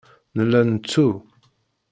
Nella nettu.